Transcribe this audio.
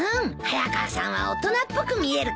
早川さんは大人っぽく見えるからね。